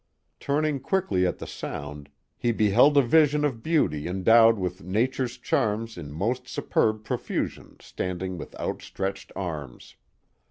Turning quickly at the sound, he beheld a vision of beauty endowed with nature's charms in most superb profusion " standing with outstretched arms.